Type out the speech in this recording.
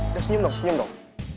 udah senyum dong senyum dong